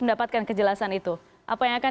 mendapatkan kejelasan itu apa yang akan